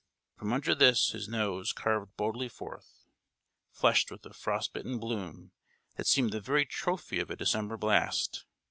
From under this his nose curved boldly forth, flushed with a frost bitten bloom, that seemed the very trophy of a December blast.